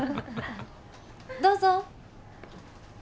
どうぞ。